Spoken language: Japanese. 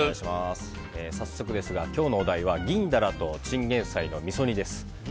早速ですが今日のお題は銀ダラとチンゲンサイのみそ煮です。